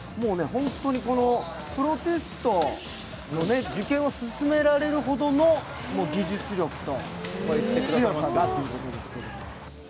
本当にプロテストの受験を勧められるほどの技術力と強さだということですけど。